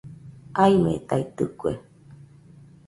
Aimetaitɨkue